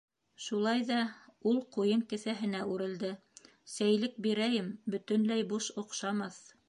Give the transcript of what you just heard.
- Шулай ҙа, - ул ҡуйын кеҫәһенә үрелде, - сәйлек бирәйем, бөтөнләй буш оҡшамаҫ.